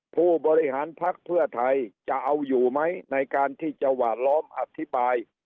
ผู้บริหารภักดิ์เพื่อไทยจะเอาอยู่ไหมในการที่จะหวาดล้อมอธิบาย